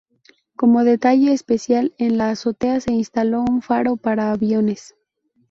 Como detalle especial, en la azotea se instaló un faro para aviones.